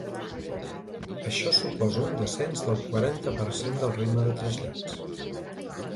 Això suposa un descens del quaranta per cent del ritme de trasllats.